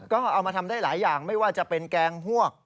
ก็เอามาทำได้หลายอย่างไม่ว่าจะเป็นแกงพวก